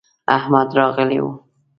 احمد راغلی و.